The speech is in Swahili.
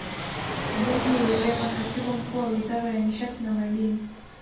Jaji Werema Katibu Mkuu wa Wizara ya Nishati na Madini